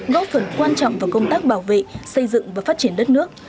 góp phần quan trọng vào công tác bảo vệ xây dựng và phát triển đất nước